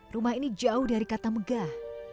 rumah ini jauh dari kata megah